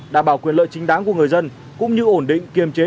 đảm bảo quyền lợi chính đáng của người dân cũng như ổn định kiềm chế